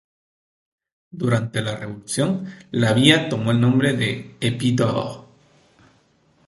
Durante la Revolución, la villa tomó el nombre de "Épi-d’Or".